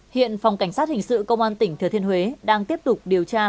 hiện phòng cảnh sát hình sự công an tỉnh thừa thiên huế đang tiếp tục điều tra